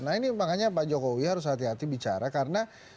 nah ini makanya pak jokowi harus hati hati bicara karena